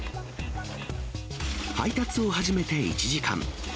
配達を始めて１時間。